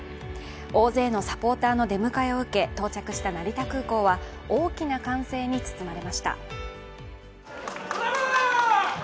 大勢のサポーターの出迎えを受け、到着した成田空港は大きな歓声に包まれました。